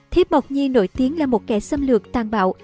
thiếp mộc nhi nổi tiếng là một kẻ xâm lược tan bạo